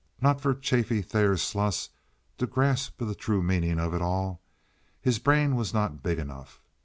Not for Chaffee Thayer Sluss to grasp the true meaning of it all. His brain was not big enough.